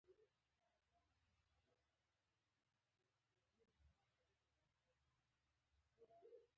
یورانیم د افغانانو ژوند اغېزمن کوي.